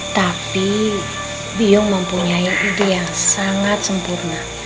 tapi bio mempunyai ide yang sangat sempurna